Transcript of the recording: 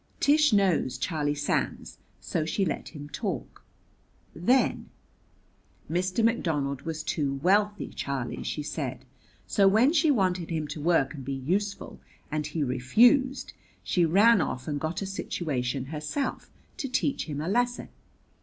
Tish knows Charlie Sands, so she let him talk. Then: "Mr. McDonald was too wealthy, Charlie," she said; "so when she wanted him to work and be useful, and he refused, she ran off and got a situation herself to teach him a lesson.